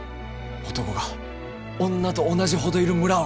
男が女と同じほどいる村を！